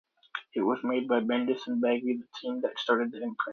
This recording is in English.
It was made by Bendis and Bagley, the team that started the imprint.